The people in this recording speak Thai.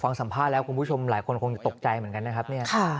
สัมภาษณ์แล้วคุณผู้ชมหลายคนคงจะตกใจเหมือนกันนะครับเนี่ย